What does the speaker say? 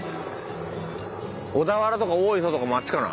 小田原とか大磯とかもあっちかな？